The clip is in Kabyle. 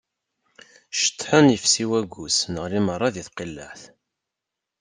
Ceṭḥen ifessi waggus, neγli meṛṛa di tqileԑt.